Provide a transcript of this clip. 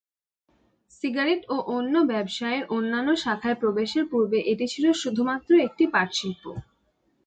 Cigarette ও অন্য ব্যবসায়ের অন্যান্য শাখায় প্রবেশের পূর্বে এটি ছিল শুধুমাত্র একটি পাট শিল্প।